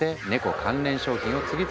関連商品を次々開発。